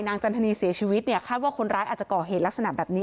จันทนีเสียชีวิตเนี่ยคาดว่าคนร้ายอาจจะก่อเหตุลักษณะแบบนี้